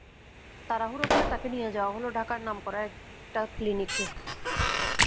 তাড়াহুড়ো করে তাকে নিয়ে যাওয়া হল ঢাকার নামকরা একটা ক্লিনিক।